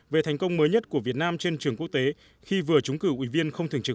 về thành công mới nhất của việt nam trên trường quốc tế khi vừa trúng cử ủy viên không thường trực